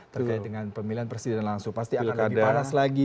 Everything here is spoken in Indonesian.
terkait dengan pemilihan presiden langsung pasti akan lebih panas lagi